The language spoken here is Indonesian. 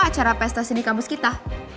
acara pesta sini kampus kita